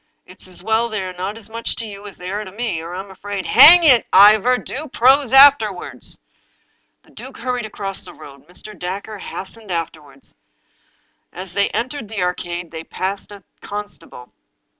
It's as well they are not as much to you as they are to me, or I'm afraid "" Hang it, Ivor, do prose afterwards !" The duke hurried across the road. Mr. Dacre hastened after him. As they entered the Arcade they passed a con stable.